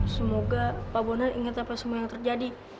semoga pak bondan ingat apa semua yang terjadi